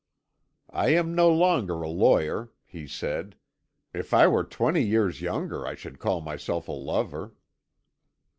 "I am no longer a lawyer," he said; "if I were twenty years younger I should call myself a lover."